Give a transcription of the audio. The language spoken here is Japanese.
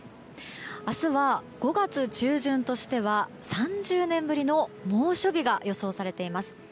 明日は、５月中旬としては３０年ぶりの猛暑日が予想されています。